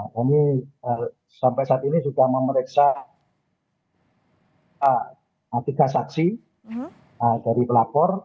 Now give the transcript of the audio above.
kami sampai saat ini sudah memeriksa tiga saksi dari pelapor